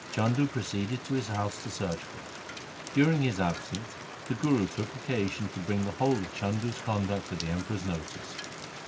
Chandu proceeded to his house to search for it. During his absence the Guru took occasion to bring the whole of Chandu's conduct to the Emperor's notice.